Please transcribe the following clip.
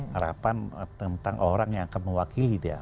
harapan tentang orang yang akan mewakili dia